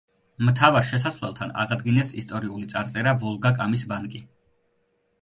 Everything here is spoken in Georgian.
მთავარ შესასვლელთან აღადგინეს ისტორიული წარწერა „ვოლგა-კამის ბანკი“.